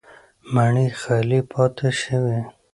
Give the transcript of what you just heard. ماڼۍ خالي پاتې شوې